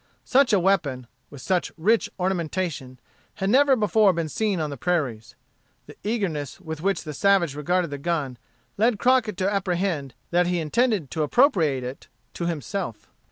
Such a weapon, with such rich ornamentation, had never before been seen on the prairies. The eagerness with which the savage regarded the gun led Crockett to apprehend that he intended to appropriate it to himself.